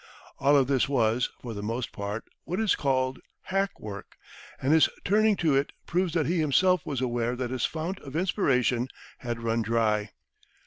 All of this was, for the most part, what is called "hack work," and his turning to it proves that he himself was aware that his fount of inspiration had run dry.